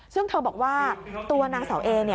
ซึ่งเธอบอกว่าตัวนางเสาเอ